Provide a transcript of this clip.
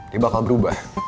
dia bakal berubah